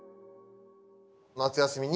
夏休みに。